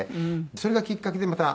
それがきっかけでまた